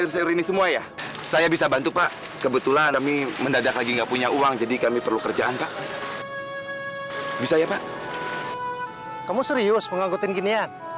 dan orang itu pasti akan bahagia banget kalau nol nangis buat dia